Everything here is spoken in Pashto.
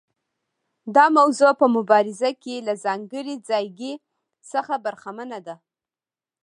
دا موضوع په مبارزه کې له ځانګړي ځایګي څخه برخمنه ده.